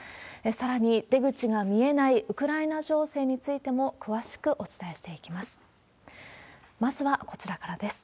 さらに、出口が見えないウクライナ情勢についても詳しくお伝えしていきます。